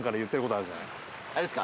あれですか？